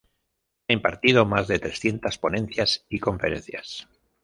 Ha impartido más de trescientas ponencias y conferencias.